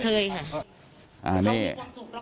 ทำไมครับ